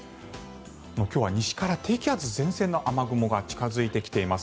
今日は西から低気圧、前線の雨雲が近付いてきています。